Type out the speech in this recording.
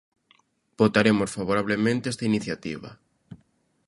Votaremos favorablemente esta iniciativa.